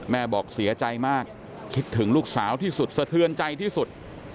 บอกเสียใจมากคิดถึงลูกสาวที่สุดสะเทือนใจที่สุด